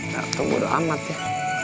ya tuh bodo amat ya